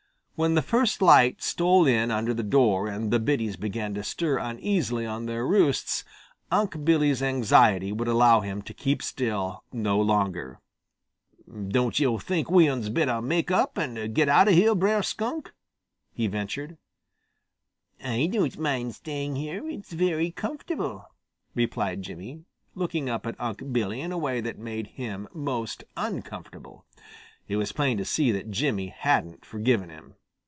When the first light stole in under the door and the biddies began to stir uneasily on their roosts Unc' Billy's anxiety would allow him to keep still no longer. "Don' yo' think we uns better make up and get out of here, Brer Skunk?" he ventured. "I don't mind staying here; it's very comfortable," replied Jimmy, looking up at Unc' Billy in a way that made him most uncomfortable. It was plain to see that Jimmy hadn't forgiven him.